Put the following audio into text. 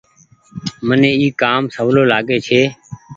من اي ڪآم سولو لآگي ڇي۔